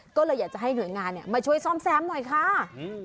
ก็เลยอยากจะให้หน่วยงานเนี่ยมาช่วยซ่อมแซมหน่อยค่ะอืม